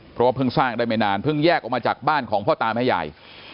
เพราะว่าเพิ่งสร้างได้ไม่นานเพิ่งแยกออกมาจากบ้านของพ่อตาแม่ยาย